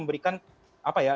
memberikan apa ya